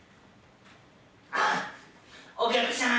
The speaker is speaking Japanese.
あっお客さん